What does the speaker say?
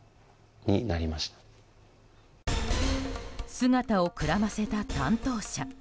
姿をくらませた担当者。